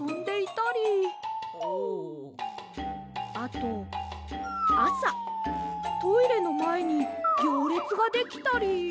あとあさトイレのまえにぎょうれつができたり。